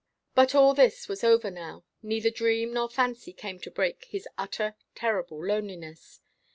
But all this was over now: neither dream nor fancy came to break his utter, terrible loneliness.